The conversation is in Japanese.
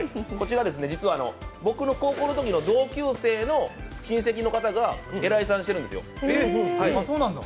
こちら実は僕の高校のときの同級生の親戚の方が偉いさんしてるんですよ。